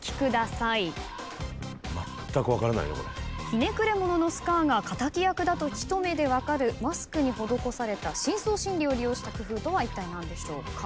ひねくれ者のスカーが敵役だとひと目で分かるマスクに施された深層心理を利用した工夫とはいったい何でしょうか？